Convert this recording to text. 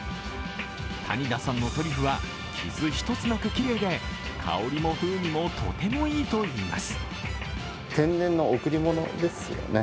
谷田さんのトリュフは傷一つなくきれいで、香りも風味もとてもいいといいます。